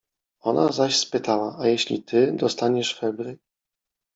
Ona zaś spytała: — A jeśli ty dostaniesz febry?